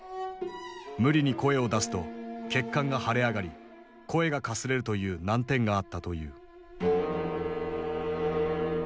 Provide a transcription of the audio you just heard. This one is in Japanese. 無理に声を出すと血管が腫れ上がり声がかすれるという難点があったという。